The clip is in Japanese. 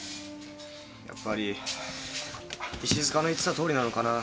やっぱり石塚の言ってたとおりなのかな。